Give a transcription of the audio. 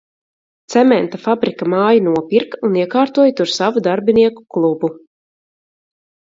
Cementa fabrika māju nopirka un iekārtoja tur savu darbinieku klubu.